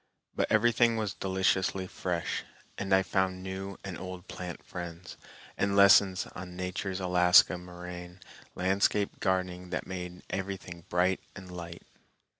But everything was deliciously fresh, and I found new and old plant friends, and lessons on Nature's Alaska moraine landscape gardening that made everything bright and light.